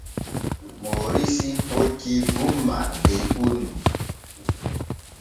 Mooriisi hoccii gummal ley ɓunnu.